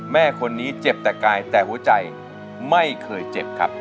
แม่คนนี้เจ็บแต่กายแต่หัวใจไม่เคยเจ็บครับ